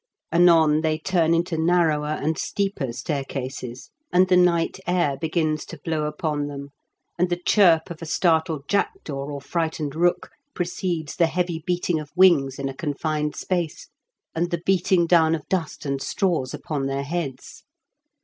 Anon they turn into narrower and steeper staircases, and the night air begins to E 2 52 m KENT WITH CEAELE8 DICKENS. blow upon them, and the chirp of a startled jackdaw or frightened rook precedes the heavy beating of wings in a confined space, and the beating down of dust and straws upon their heads.